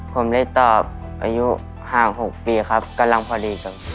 ผมเลยตอบอายุ๕๖ปีครับกำลังพอดีครับ